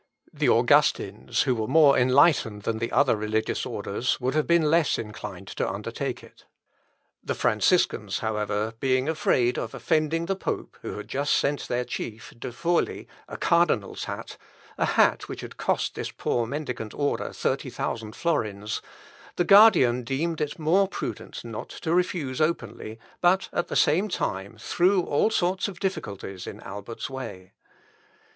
The Augustins, who were more enlightened than the other religious orders, would have been less inclined to undertake it. The Franciscans, however, being afraid of offending the pope, who had just sent their chief, De, Forli, a cardinal's hat, a hat which had cost this poor mendicant order thirty thousand florins, the guardian deemed it more prudent not to refuse openly, but, at the same time, threw all sorts of difficulties in Albert's way.